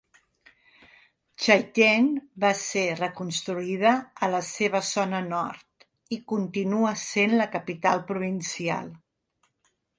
Chaitén va ser reconstruïda a la seva zona nord, i continua sent la capital provincial.